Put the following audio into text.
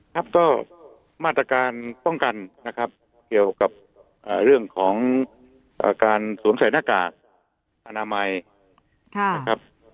ครับก็มาตรการป้องกันนะครับเกี่ยวกับเรื่องของการสวมใส่หน้ากากอนามัยนะครับ